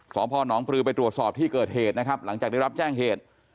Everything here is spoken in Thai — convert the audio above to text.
สพนปลือไปตรวจสอบที่เกิดเหตุนะครับหลังจากได้รับแจ้งเหตุ